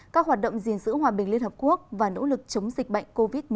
các hoạt động gìn giữ hòa bình liên hợp quốc và nỗ lực chống dịch bệnh covid một mươi chín